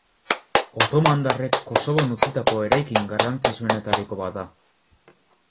Otomandarrek Kosovon utzitako eraikin garrantzitsuenetariko bat da.